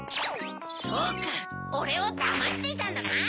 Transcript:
そうかおれをだましていたんだな！